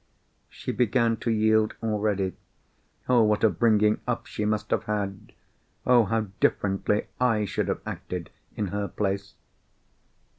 She began to yield already. Oh, what a bringing up she must have had! Oh, how differently I should have acted in her place!